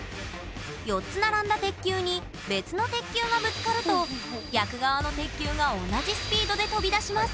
４つ並んだ鉄球に別の鉄球がぶつかると逆側の鉄球が同じスピードで飛び出します